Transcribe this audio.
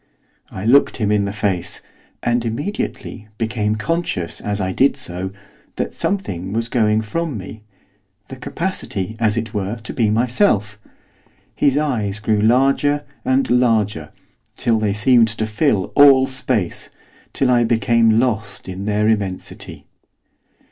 I looked him in the face, and immediately became conscious, as I did so, that something was going from me, the capacity, as it were, to be myself. His eyes grew larger and larger, till they seemed to fill all space till I became lost in their immensity.